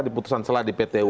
di putusan selat di pt un